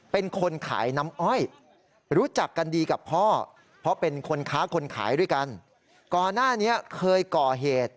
เป็นคนขายน้ำอ้อยรู้จักกันดีกับพ่อเพราะเป็นคนค้าคนขายด้วยกันก่อนหน้านี้เคยก่อเหตุ